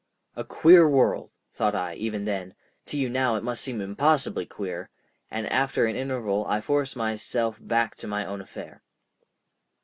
A queer world! thought I even then—to you now it must seem impossibly queer,—and after an interval I forced myself back to my own affair.